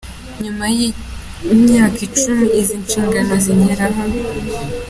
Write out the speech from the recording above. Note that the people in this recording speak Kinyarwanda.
Nyuma y’ imyaka icumi, izi nshingano zigeze he zubahirizwa?.